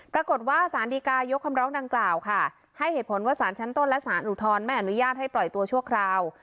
ปรากฏว่าสารดีกายกคำร้องดังกล่าวค่ะให้เหตุผลว่าสารชั้นต้นและสารอุทธรณ์ไม่อนุญาตให้ปล่อยตัวชั่วคราว